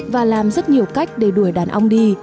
và làm rất nhiều cách để đuổi đàn ong đi